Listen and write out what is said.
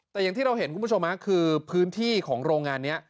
แต่อย่างที่เราเห็นคุณผู้ชมคือพื้นที่ของโรงงานนี้